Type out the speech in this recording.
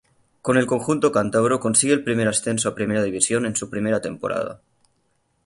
Con el conjunto cántabro consigue el ascenso a Primera División en su primera temporada.